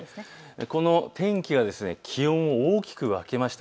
この天気は気温も大きく分けました。